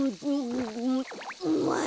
うまい。